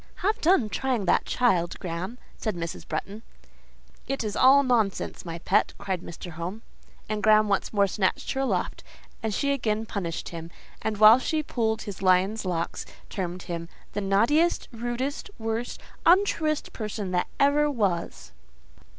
"Have done trying that child, Graham," said Mrs. Bretton. "It is all nonsense, my pet," cried Mr. Home. And Graham once more snatched her aloft, and she again punished him; and while she pulled his lion's locks, termed him—"The naughtiest, rudest, worst, untruest person that ever was."